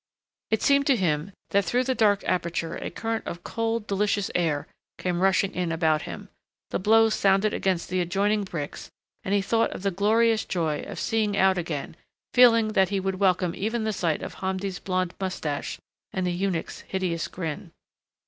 It seemed to him that through that dark aperture a current of cold, delicious air came rushing in about him. The blows sounded against the adjoining bricks and he thought of the glorious joy of seeing out again, feeling that he would welcome even the sight of Hamdi's blond mustache and the eunuch's hideous grin.